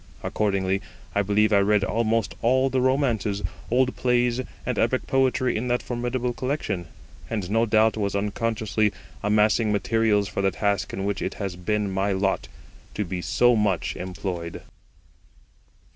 Accordingly, I believe I read almost all the romances, old plays, and epic poetry in that formidable collection, and no doubt was unconsciously amassing materials for the task in which it has been my lot to be so much employed.